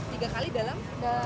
tiga kali dalam